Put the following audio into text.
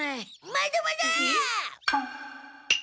まだまだ！